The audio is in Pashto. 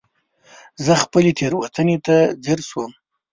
زه خپلې تېروتنې ته ځير شوم.